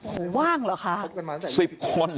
ว่างเหรอคะ๑๐คน